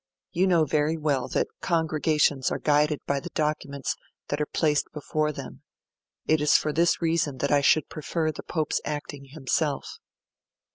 You know very well that Congregations are guided by the documents that are placed before them; it is for this reason that I should prefer the Pope's acting himself.'